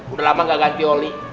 udah lama gak ganti oli